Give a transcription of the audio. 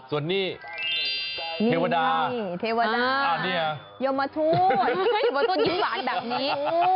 ส่วนนี้เทวดานี่เทวดายมทูตอยู่บนต้นยิ้มหวานแบบนี้